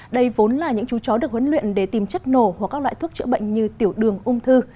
đây vốn là những chú chó được huấn luyện để tìm chất nổ hoặc các loại thuốc chữa bệnh như tiểu đường ung thư